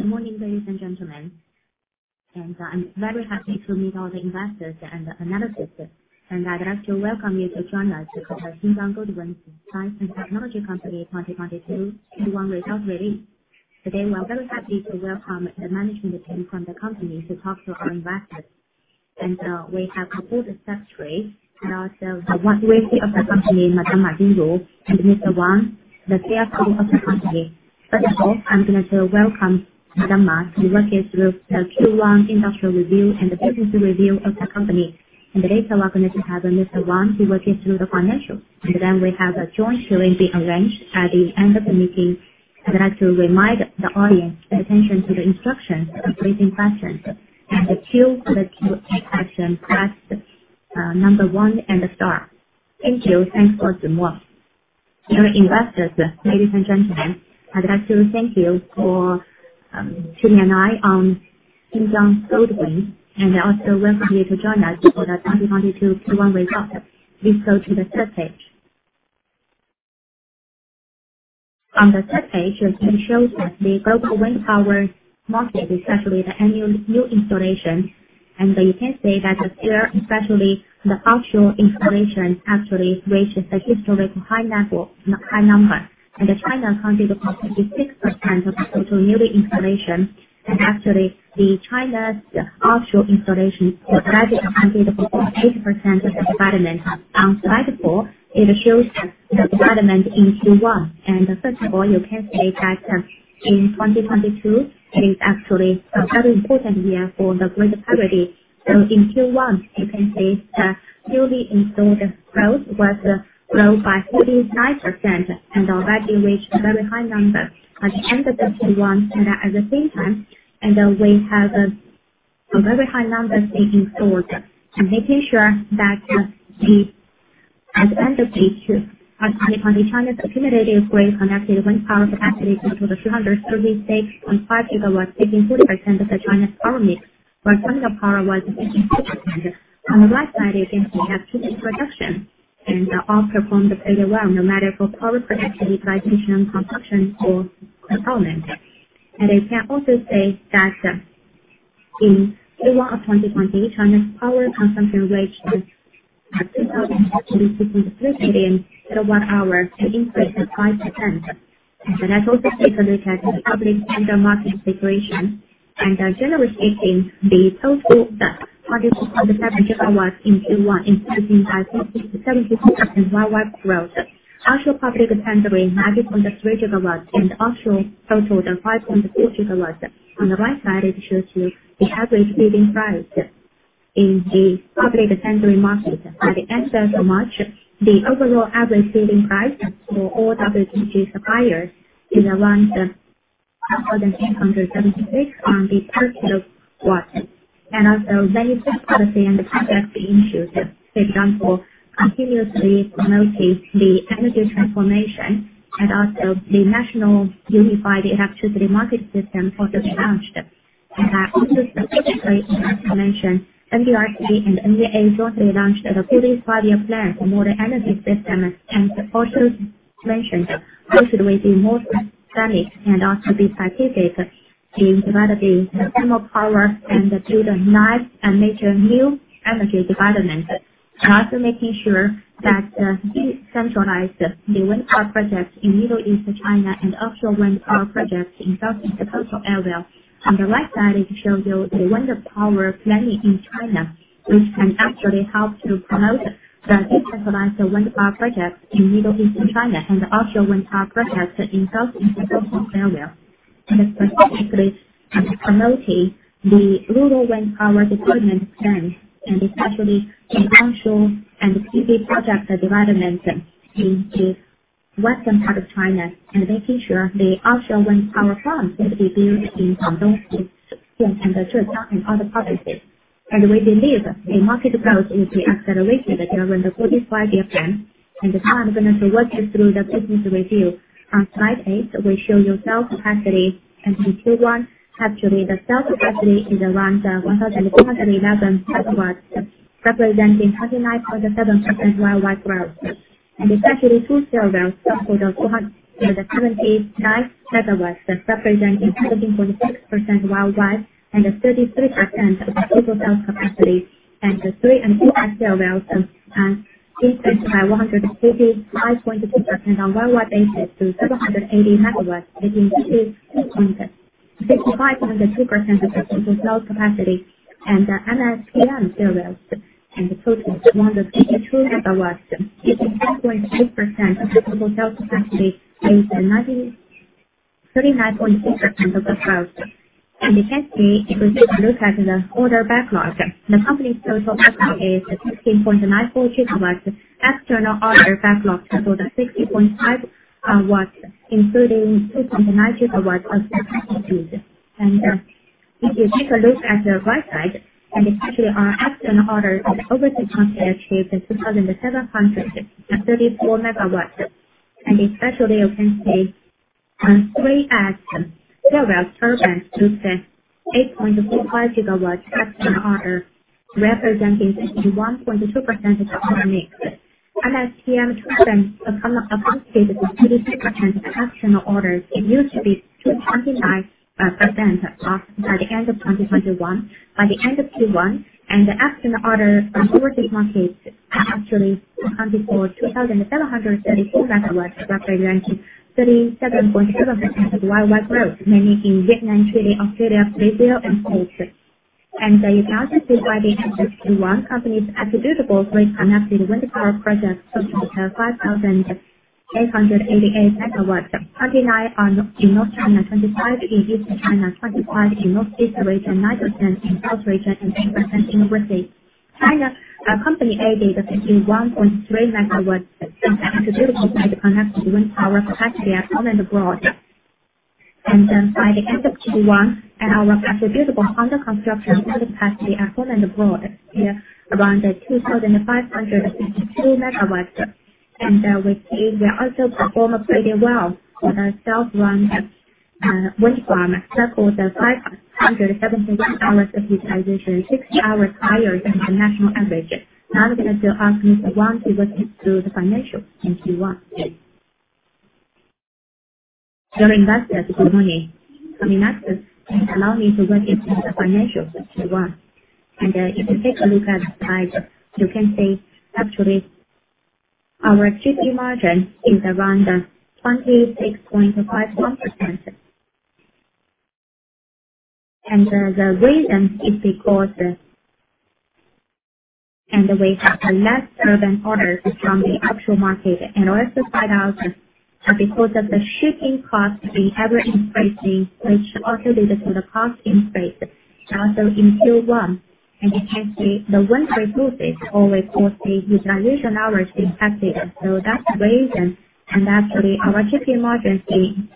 Good morning, ladies and gentlemen. I'm very happy to meet all the investors and analysts. I'd like to welcome you to join us to cover Xinjiang Goldwind Science and Technology Company 2022 Q1 results release. Today we are very happy to welcome the management team from the company to talk to our investors. We have the Board Secretary and also the CFO of the company, Madam Ma Jinru and Mr. Wang, the CFO of the company. First of all, I'm gonna welcome Madam Ma to walk you through the Q1 industrial review and the business review of the company. Later we're gonna have Mr. Wang to walk you through the financials. Then we have a joint Q&A arranged at the end of the meeting. I'd like to remind the audience to pay attention to the instructions for asking questions. To ask questions press number 1 and star. Thank you. Thanks once more. Dear investors, ladies and gentlemen, I'd like to thank you for tuning in on Xinjiang Goldwind, and I also welcome you to join us for the 2022 Q1 results. Please go to page three. On page three it shows that the global wind power market, especially the annual new installation. You can see that this year, especially the offshore installation actually reached a historically high level, high number. China accounted for 56% of the total yearly installation. Actually China's offshore installation capacity accounted for 80% of the development. On slide 4, it shows the development in Q1. First of all, you can see that in 2022, it is actually a very important year for the grid parity.In Q1, you can see that newly installed growth was grown by 49% and already reached a very high number at the end of 2021. At the same time, we have a very high number installed. At the end of page two, China's accumulated wind power capacity reached 236.5 GW, taking 40% of China's power mix, where solar power was 50%. On the right side, you can see we have two introductions and all performed very well, no matter for power productivity, vibration, consumption or component. You can also say that in Q1 of 2022, China's power consumption reached 3,070 between the third period in one hour, an increase of 5%. That's also because it has public tender market situation. Generally speaking, the total of 20.27 GW in Q1, increasing at 67 GW year-over-year growth. Offshore public 90.3 GW and offshore total of 5.4 GW. On the right side it shows you the average bidding price in the public market. At the end of March, the overall average bidding price for all WTG suppliers is around CNY 1,876/kW. Also many policy and project issues. For example, continuously promoting the energy transformation and also the national unified electricity market system for the challenge. Also specifically, as mentioned, NDRC and NEA jointly launched the forty-five year plan for modern energy system. Also mentioned, Goldwind will be more active and also be strategic in developing the thermal power and build a large and major new energy development. Also making sure that decentralized the wind power projects in Middle Eastern China, and offshore wind power projects in southern coastal areas. On the right side it shows you the wind power planning in China, which can actually help to promote the decentralized wind power projects in Middle Eastern China, and offshore wind power projects in southern coastal areas, and specifically promoting the rural wind power deployment plan and especially the onshore and CSP project development in the western part of China and making sure the offshore wind power plants will be built in Guangdong and Zhejiang, and other provinces. We believe a market growth will be accelerated during the 45-year plan. Now I'm gonna walk you through the business review. On slide eight, we show you sales capacity. In Q1, actually the sales capacity is around 111 MW, representing 39.7% year-over-year growth. Especially 2S series of 279 MW that represent 13.6% year-over-year and 33% of total sales capacity. The 3S series increased by 155.2% on year-over-year basis to 780 MW, which is 65.2% of total sales capacity. MS-PM series in total is 182 MW, 88.2% of total sales capacity and 39.2% of the sales. You can see if we take a look at the order backlog, the company's total backlog is 16.94 GW. External order backlog total 60.5 GW, including 2.9 GW. If you take a look at the right side, especially our external orders over the country achieved 2,734 MW. Especially you can see on 3S 8.45 GW external order, representing 81.2% of the order mix. MS-PM system become associated with international orders. It used to be 22.9% at the end of 2021. By the end of Q1 the external order from overseas markets actually accounted for 2,734 MW, representing 37.7% YOY growth, mainly in Vietnam, Chile, Australia, Brazil, and Egypt. Q1 company's attributable grid-connected wind power projects totaled 5,888 MW. 29 are in North China, 25 in Eastern China, 25 in Northeast region, 9% in Southwest region, 8% in West region, China. Our company added 51.3 MW in attributable grid-connected wind power capacity at home and abroad. By the end of Q1, our attributable under construction capacity at home and abroad is around 2,562 MW. We also perform pretty well for the self-run wind farm circles at 571 hours of utilization, six hours higher than the national average. Now we're gonna still ask Mr. Wang to walk us through the financials in Q1. Good morning. Let me walk you through the financials of Q1. If you take a look at the slide, you can see actually our GP margin is around 26.51%. The reason is because we have a lesser than orders from the actual market in order to find out because of the shipping cost being ever-increasing, which also lead to the cost increase. Also in Q1, you can see the winter season always cause the utilization hours impacted. That's the reason. Actually our GP margin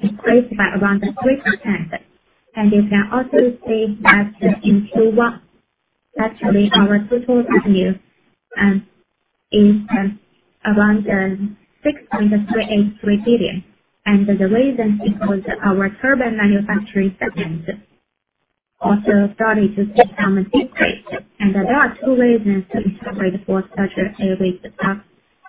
increased by around 3%. You can also see that in Q1, actually our total revenue is around 6.383 billion. The reason is because our turbine manufacturing segment also started to become a decrease. There are two reasons we suffered for such a big drop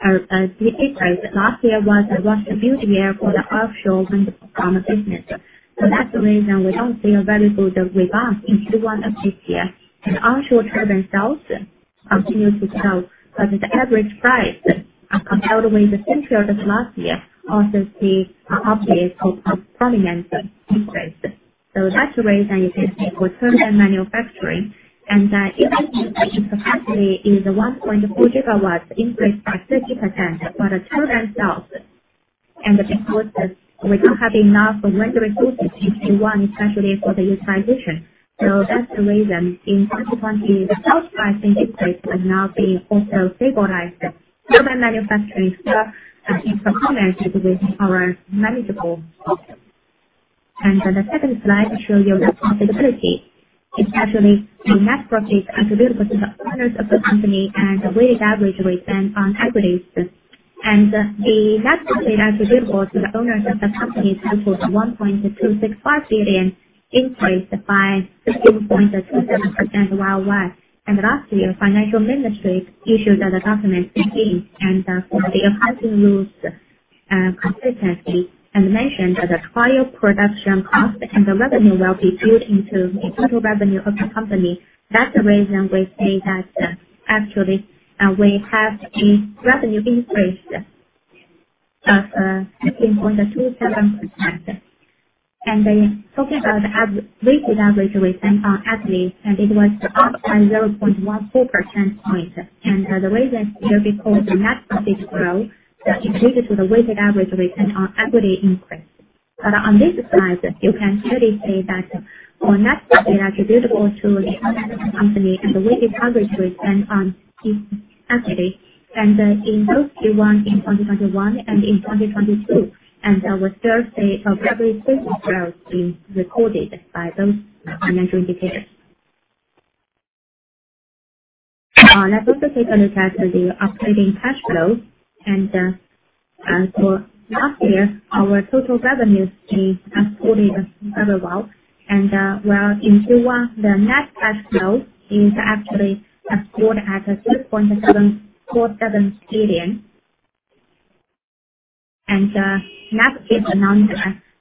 or decrease. Last year was a rush to build year for the offshore wind farm business. That's the reason we don't see a very good result in Q1 of this year. The onshore turbine sales continued to grow, but the average price compared with the same period of last year also saw obvious performance increase. That's the reason you can see for turbine manufacturing. The investment in capacity is 1.4 GW increased by 30% for the turbine sales. Because we don't have enough wind resources in Q1, especially for the utilization. That's the reason in 2020 the south pricing decrease has now been also stabilized. Turbine manufacturing still achieve performance within our manageable. The second slide shows you net profitability. It's actually the net profit attributable to the owners of the company and the weighted average return on equity. The net profit attributable to the owners of the company equals 1.265 billion, increased by 16.27% YOY. Last year, financial ministry issued a document fifteen and for the accounting rules consistency and mentioned that the trial production cost and the revenue will be built into the total revenue of the company. That's the reason we say that, actually, we have the revenue increased of 16.27%. Then talking about the weighted average return on equity, it was up by 0.14 percentage point. The reason here because the net profit growth that is due to the weighted average return on equity increase. On this slide, you can clearly see that our net profit attributable to the company and the weighted average return on equity. In both Q1 in 2021 and in 2022, there was still a very steady growth being recorded by those financial indicators. Let's also take a look at the operating cash flows and last year our total revenues increased accordingly very well. Well, in Q1, the net cash flows is actually recorded as -CNY 6.747 billion, a negative number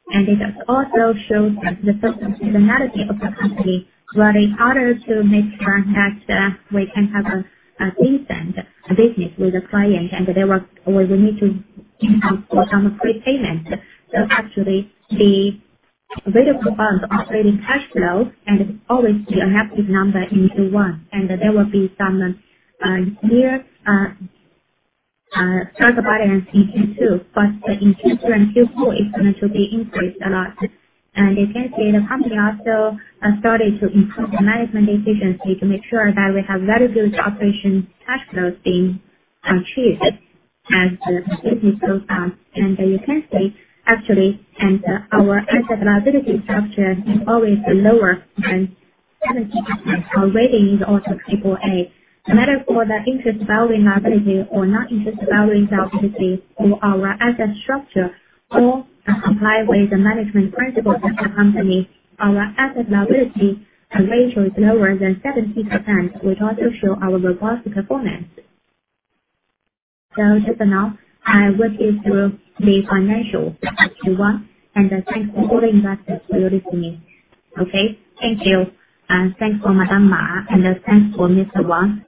and it also shows the seasonality of the company, where in order to make sure that we can have a decent business with a client. We will need to have some prepayment. Actually the available funds, operating cash flow is always a negative number in Q1. There will be some year turnaround in Q2, but in Q3 and Q4 it's going to be increased a lot. You can see the company also started to improve the management efficiency to make sure that we have very good operation cash flows being achieved as the business grows up. You can see actually our asset liability structure is always lower than 70%. Our rating is also AAA. No matter for the interest bearing liability or not interest bearing liability or our asset structure all comply with the management principles of the company. Our asset liability ratio is lower than 70%, which also show our robust performance. Just for now, I walk you through the financials of Q1 and thanks to all investors for listening. Okay, thank you. And thanks for Madam Ma, and thanks for Mr. Wang.